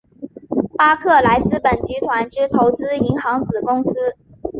巴克莱资本集团之投资银行子公司。